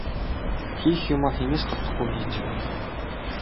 Хийх юмаа хэнээс ч дутахгүй хийчихнэ.